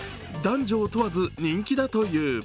男女を問わず人気だという。